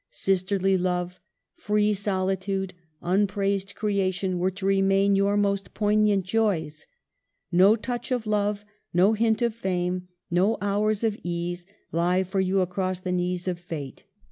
Sis terly love, free solitude, unpraised creation, were to remain your most poignant joys. No touch of love, no hint of fame, no hours of ease, lie for you across the knees of Fate.